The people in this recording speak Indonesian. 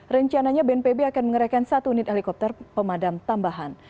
rencananya bnpb akan mengerahkan satu unit helikopter pemadam tambahan